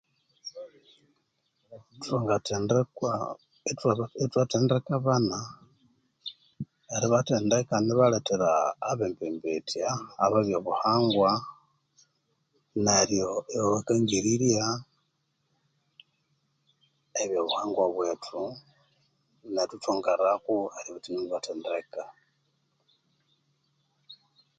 Thwangathendekwa ithwaba ithwathendeka abana eribathendeka nibalethera abembembetya abe ebyo obuhangwa neryo ibabakangirirya ebyobuhangwa bwethu nethu ithwongerako eribya ithune mubathendeka.